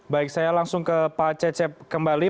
baik saya langsung ke pak cecep kembali